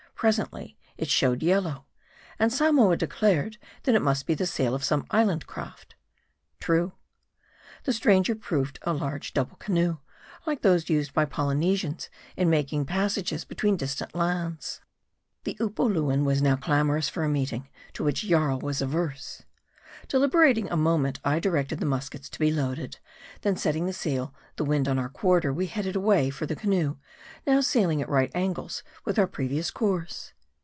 Presently, it showed yellow ; and Samoa declared, that it must be the sail of some island craft. True. The stranger proving a large double canoe, like those used by the Polynesians in making passages between distant islands. The Upoluan was now clamorous for a meeting, to which Jarl was averse. Deliberating a moment, I directed the niuskets to be loaded ; then setting the sail the wind on our quarter we headed away for the canoe, now sailing at right angles with our previous course.